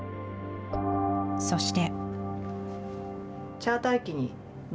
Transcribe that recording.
そして。